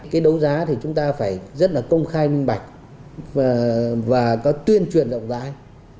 cái đấu giá thì chúng ta phải rất là công khai minh bạch và có tuyên truyền rộng rãi